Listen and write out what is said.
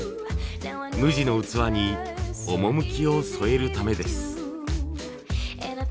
無地の器に趣を添えるためです。